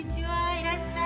いらっしゃい。